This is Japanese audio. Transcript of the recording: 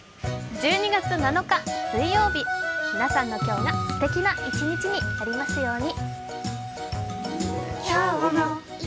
１２月７日水曜日、皆さんの今日がすてきな一日になりますように。